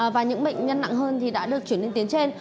và những bệnh nhân nặng hơn thì đã được chuyển lên tuyến trên